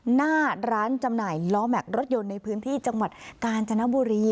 หน้าร้านจำหน่ายล้อแม็กซรถยนต์ในพื้นที่จังหวัดกาญจนบุรี